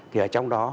thì ở trong đó